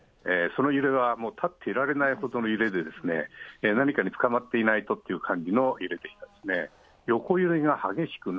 その揺れはもう、立っていられないほどの揺れで、何かにつかまっていないとっていう揺れでした。